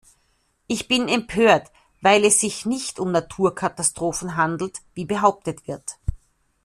Ich bin empört, weil es sich nicht um Naturkatastrophen handelt, wie behauptet wird.